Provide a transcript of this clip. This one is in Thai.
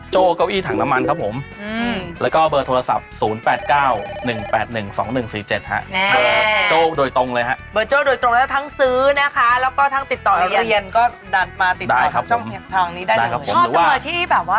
แจกครองมั้ยมีของอะไรมาแจกแม้ยปุ๊บสูตรอยู่ในรายการปุ๊บสูตรอยู่ในรายการว่ะ